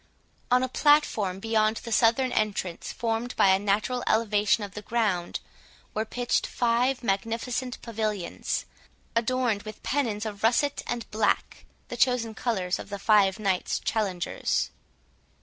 On a platform beyond the southern entrance, formed by a natural elevation of the ground, were pitched five magnificent pavilions, adorned with pennons of russet and black, the chosen colours of the five knights challengers.